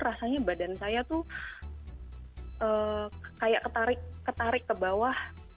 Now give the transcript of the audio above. rasanya badan saya tuh kayak ketarik ke bawah